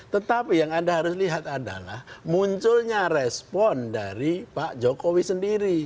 tetapi yang anda harus lihat adalah munculnya respon dari pak jokowi sendiri